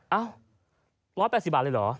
เอ้า๑๘๐บาทเลยเหรอ